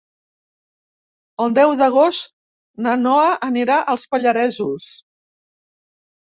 El deu d'agost na Noa anirà als Pallaresos.